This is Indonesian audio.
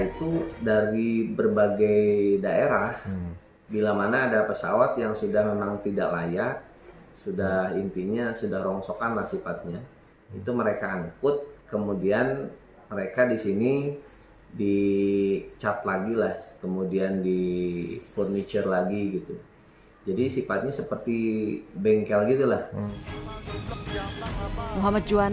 jadi sifatnya seperti bengkel gitu lah